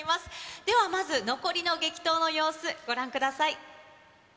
では、まず残りの激闘の様子、ご覧ください。